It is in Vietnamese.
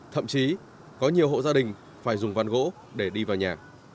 thậm chí có nhiều hộ gia đình phải dùng văn gỗ để đi vào nhà